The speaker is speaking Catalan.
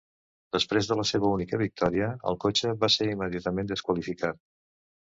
Després de la seva única victòria, el cotxe va ser immediatament desqualificat.